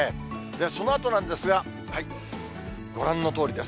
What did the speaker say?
そのあとなんですが、ご覧のとおりです。